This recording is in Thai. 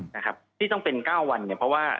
นะครับที่ต้องเป็น๙วันเนี่ยเพราะว่า